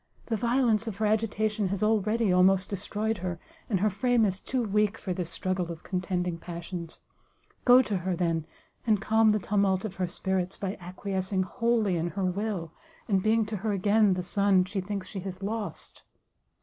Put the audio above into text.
the violence of her agitation has already almost destroyed her, and her frame is too weak for this struggle of contending passions; go to her, then, and calm the tumult of her spirits, by acquiescing wholly in her will, and being to her again the son she thinks she has lost!"